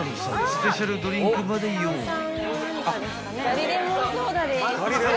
スペシャルドリンクまで用意］